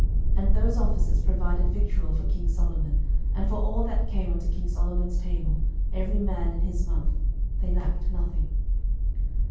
11:004:027 And those officers provided victual for king Solomon, and for all that came unto king Solomon's table, every man in his month: they lacked nothing.